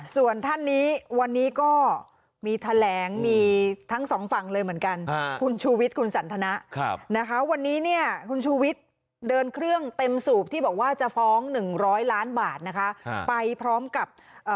ส่วนท่านนี้วันนี้ก็มีแถลงมีทั้งสองฝั่งเลยเหมือนกันคุณชูวิทย์คุณสันทนะนะคะวันนี้เนี่ยคุณชูวิทย์เดินเครื่องเต็มสูบที่บอกว่าจะฟ้องหนึ่งร้อยล้านบาทนะคะไปพร้อมกับเอ่อ